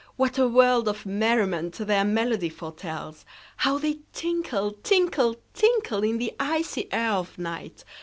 What a world of merriment their melody foretells! How they tinkle, tinkle, tinkle, In the icy air of night!